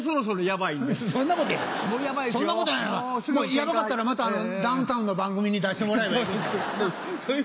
ヤバかったらまたダウンタウンの番組に出してもらえばいい。